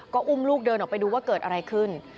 ก็อุ้มลูกเดินออกไปดูว่าเกิดอะไรขึ้น